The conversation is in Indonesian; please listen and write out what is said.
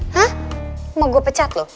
hah mau gue pecat loh